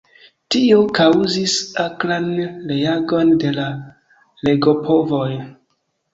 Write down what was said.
Tio kaŭzis akran reagon de la regopovoj.